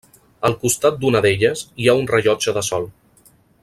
Al costat d'una d'elles hi ha un rellotge de sol.